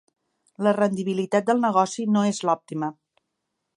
La rendibilitat del negoci no és l'òptima.